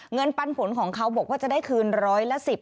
ปันผลของเขาบอกว่าจะได้คืนร้อยละ๑๐